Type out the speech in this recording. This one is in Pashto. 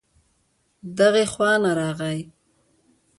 دغې خوا نه راغی